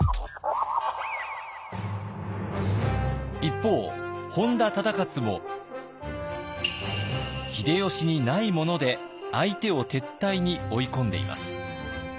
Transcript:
一方本多忠勝も秀吉にないもので相手を撤退に追い込んでいます。